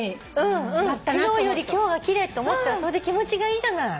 昨日より今日は奇麗って思ったらそれで気持ちがいいじゃない。